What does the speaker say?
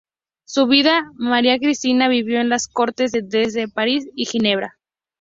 Su viuda, María Cristina, vivió en las cortes de Dresde, París y Ginebra.